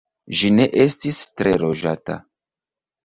Ĝi ne estis tre loĝata.